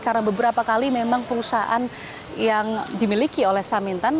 karena beberapa kali memang perusahaan yang dimiliki oleh samintan